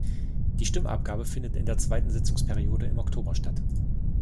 Die Stimmabgabe findet in der zweiten Sitzungsperiode im Oktober statt.